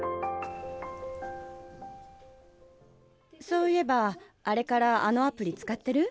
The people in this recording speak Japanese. そういえばあれからあのアプリつかってる？